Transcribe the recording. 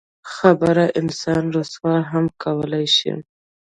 خبره انسان رسوا هم کولی شي.